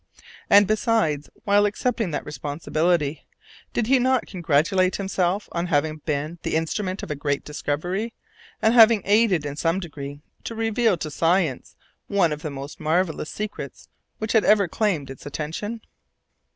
And, besides, while accepting that responsibility, did he not congratulate himself on having been the instrument of a great discovery, and having aided in some degree to reveal to science one of the most marvellous secrets which had ever claimed its attention?